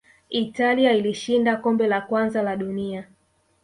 italia ilishinda kombe la kwanza la dunia